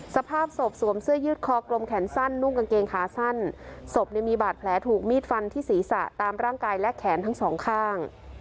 สภาพศพสวมเสื้อยืดคอกลมแขนสั้นนุ่งกางเกงขาสั้นศพเนี่ยมีบาดแผลถูกมีดฟันที่ศีรษะตามร่างกายและแขนทั้งสองข้าง